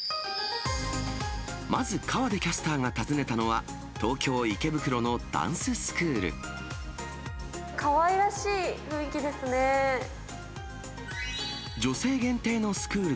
まず河出キャスターが訪ねたのは、東京・池袋のダンススクール。